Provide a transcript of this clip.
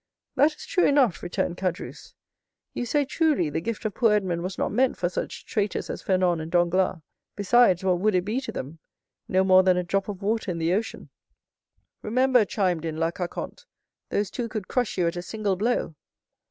"That is true enough," returned Caderousse. "You say truly, the gift of poor Edmond was not meant for such traitors as Fernand and Danglars; besides, what would it be to them? no more than a drop of water in the ocean." "Remember," chimed in La Carconte, "those two could crush you at a single blow!"